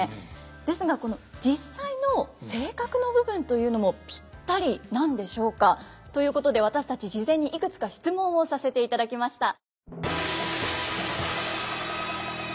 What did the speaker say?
ですが実際の性格の部分というのもピッタリなんでしょうか？ということで私たち事前にいくつか質問をさせていただきました。